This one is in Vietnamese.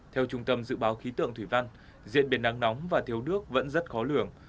theo trung tâm dự báo khí tượng thủy văn diễn biến nắng nóng và thiếu nước vẫn rất khó lường